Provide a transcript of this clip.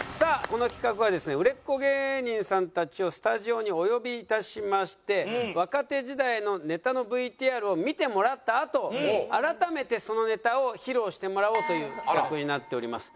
この企画はですね売れっ子芸人さんたちをスタジオにお呼びいたしまして若手時代のネタのＶＴＲを見てもらったあと改めてそのネタを披露してもらおうという企画になっております。